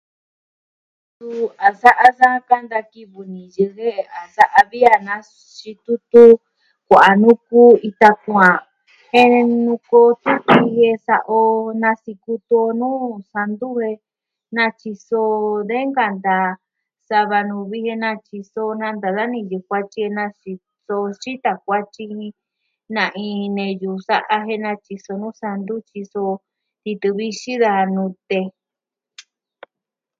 Suu a sa'a sa kanta kivɨ niyɨ ke a sa'a vii a na xitutu kuaan nuu ku ita kuaan. Jen nuku sa'a o naskutu nuu santu natyiso de nkanta sava nuvi jen natyiso nanta na niyɨ kuatyi xita kuatyi, na'in neyu sa'a jen natyiso nuu santu, titɨ vixin, da nute.